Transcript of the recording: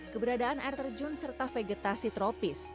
keberadaan air terjun serta vegetasi tropis